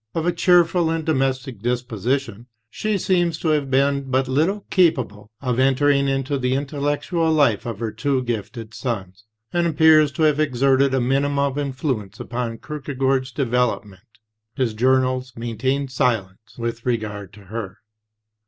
Of a cheerful and domestic disposition, she seems to have been but little capable of entering into the intellectual life of her two gifted sons, and appears to have exerted a minimum of influence upon Kierkegaard's development. His journals maintain silence with regard to her.